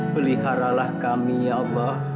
peliharalah kami ya allah